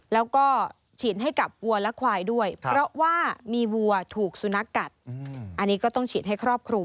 แล้วก็ฉีดให้กับวัวและควายด้วยเพราะว่ามีวัวถูกสุนัขกัดอันนี้ก็ต้องฉีดให้ครอบครู